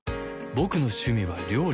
ボクの趣味は料理